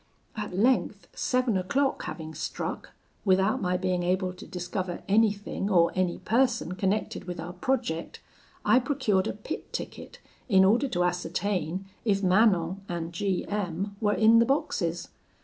At length, seven o'clock having struck, without my being able to discover anything or any person connected with our project, I procured a pit ticket, in order to ascertain if Manon and G M were in the boxes.